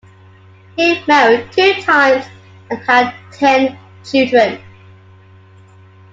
He married two times and had ten children.